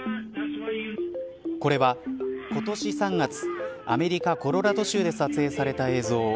これは今年３月アメリカコロラド州で撮影された映像。